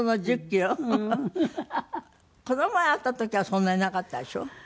この前会った時はそんなになかったでしょ？